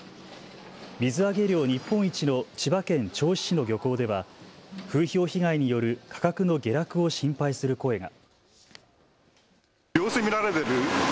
水揚げ量日本一の千葉県銚子市の漁港では風評被害による価格の下落を心配する声が。